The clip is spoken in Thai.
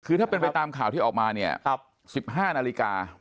คือถ้าเป็นไปตามข่าวที่ออกมาเนี่ย๑๕นาฬิกา